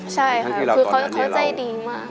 ใช่ค่ะคือเขาใจดีมาก